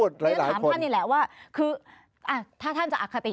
แล้วถามท่านนี่แหละว่าคือถ้าท่านจะอคติ